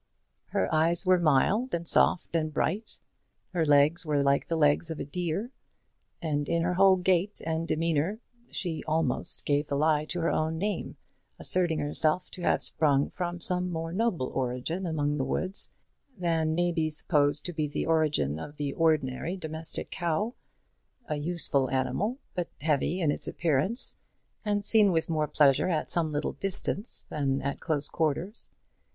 Her eyes were mild, and soft, and bright. Her legs were like the legs of a deer; and in her whole gait and demeanour she almost gave the lie to her own name, asserting herself to have sprung from some more noble origin among the woods, than may be supposed to be the origin of the ordinary domestic cow, a useful animal, but heavy in its appearance, and seen with more pleasure at some little distance than at close quarters.